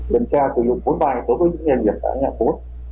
đềm tra tự dụng vốn vai đối với những doanh nghiệp ở nhà phố